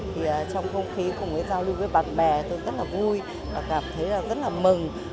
thì trong không khí cùng với giao lưu với bạn bè tôi rất là vui và cảm thấy rất là mừng